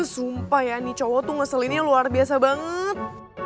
sumpah ya nih cowo tuh ngeselinnya luar biasa banget